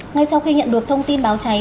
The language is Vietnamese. ngay sau khi nhận đột thông tin báo cháy